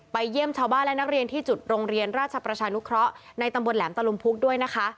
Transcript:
เยี่ยมชาวบ้านและนักเรียนที่จุดโรงเรียนราชประชานุเคราะห์ในตำบลแหลมตะลุมพุกด้วยนะคะ